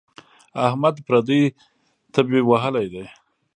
احمد پردۍ تبې وهلی دی.